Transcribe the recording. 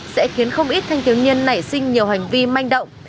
sẽ khiến không ít thanh tiếu nhân nảy sinh nhiều hành vi manh động